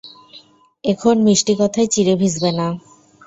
এখন মিষ্টি কথায় চিড়ে ভিজবে না।